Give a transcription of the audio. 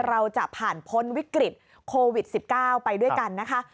เราจะผ่านพ้นวิกฤตโควิด๑๙ไปด้วยกันนะคะ